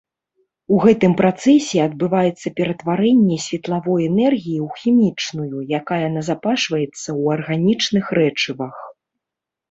У гэтым працэсе адбываецца ператварэнне светлавой энергіі ў хімічную, якая назапашваецца ў арганічных рэчывах.